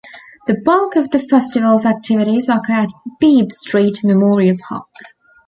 The bulk of the festival's activities occur at Beebe Street Memorial Park.